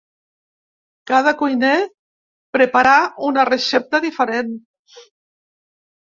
Cada cuiner preparà una recepta diferent.